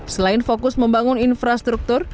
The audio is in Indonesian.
selain fokus membangun infrastruktur